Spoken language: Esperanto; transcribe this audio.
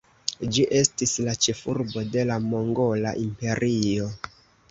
Ĝi estis la ĉefurbo de la Mongola Imperio.